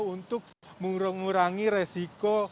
untuk mengurangi resiko